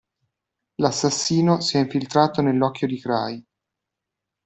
L‘assassino si è infiltrato nell‘occhio di Cray.